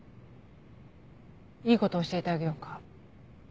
いいこと教えてあげようか。